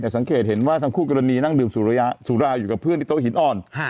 สังเกตเห็นว่าทั้งคู่กรณีนั่งดื่มสุราอยู่กับเพื่อนที่โต๊ะหินอ่อน